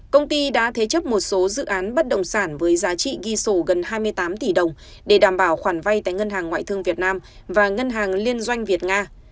công ty đã thế chấp một số dự án bất động sản với giá trị ghi sổ gần hai mươi tám tỷ đồng để đảm bảo khoản vay tại ngân hàng ngoại thương việt nam và ngân hàng liên doanh việt nga